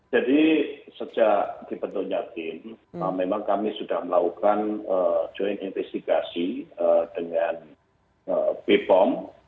jadi sejak dibentuknya gin memang kami sudah melakukan joint investigasi dengan bipom